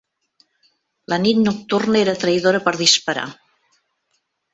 La nit nocturna era traïdora per disparar.